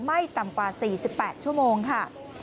ไม่ต่ำกว่า๔๘ชั่วโมงค่ะ